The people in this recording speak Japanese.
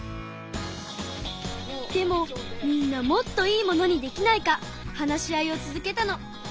でもみんなもっといいものにできないか話し合いを続けたの。